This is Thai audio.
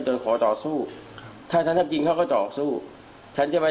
ขอต่อสู้ถ้าฉันทำจริงเขาก็ต่อสู้ฉันจะไม่